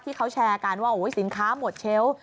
ที่เขาแชร์กันว่าสินค้าหมดเชลล์